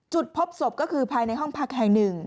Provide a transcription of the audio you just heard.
จุดพบศพก็คือภายในห้องพักแห่งหนึ่ง